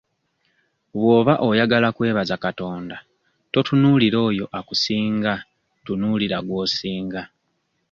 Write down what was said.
Bw'oba oyagala kwebaza Katonda totunuulira oyo akusinga tunuulira gw'osinga.